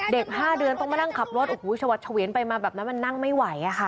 ๕เดือนต้องมานั่งขับรถโอ้โหชวัดเฉวียนไปมาแบบนั้นมันนั่งไม่ไหวอะค่ะ